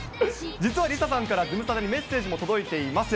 実はＬｉＳＡさんからズムサタにメッセージも届いています。